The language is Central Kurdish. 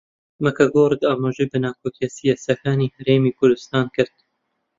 ماکگۆرک ئاماژەی بە ناکۆکییە سیاسییەکانی هەرێمی کوردستان کرد